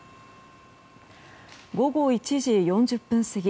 午後１時４０分過ぎ